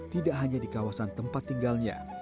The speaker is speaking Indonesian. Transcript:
tidak hanya di kawasan tempat tinggalnya